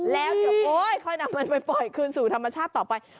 แล้วเดี๋ยวโอ๊ยค่อยนำมันไปปล่อยคืนสู่ธรรมชาติต่อไป